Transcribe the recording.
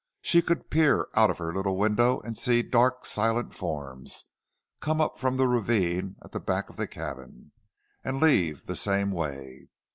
She could peer out of her little window and see dark, silent forms come up from the ravine at the back of the cabin, and leave the same way.